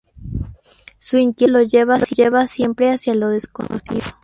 Su inquietud lo lleva siempre hacia lo desconocido.